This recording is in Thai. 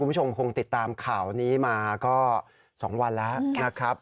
คุณผู้ชมคงติดตามข่าวนี้มาก็๒วันแล้วนะครับ